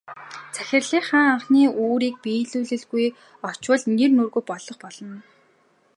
Захирлынхаа анхны үүрийг биелүүлэлгүй очвол нэр нүүргүй юм болно.